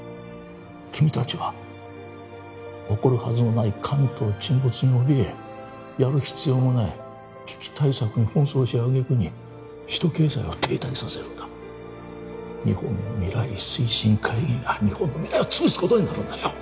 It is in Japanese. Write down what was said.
君達は起こるはずもない関東沈没におびえやる必要もない危機対策に奔走し揚げ句に首都経済を停滞させるんだ日本未来推進会議が日本の未来をつぶすことになるんだよ！